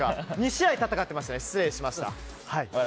２試合戦っていましたね失礼しました。